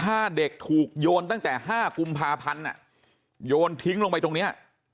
ถ้าเด็กถูกโยนตั้งแต่๕กุมภาพันธ์โยนทิ้งลงไปตรงเนี้ย